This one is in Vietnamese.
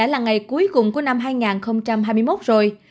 là ngày cuối cùng của năm hai nghìn hai mươi một rồi